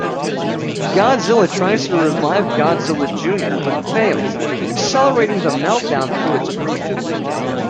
Godzilla tries to revive Godzilla Junior, but fails, accelerating the meltdown through its grief.